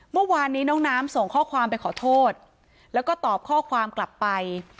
เมื่อวานนี้น้องน้ำส่งข้อความไปขอโทษแล้วก็ตอบข้อความกลับไป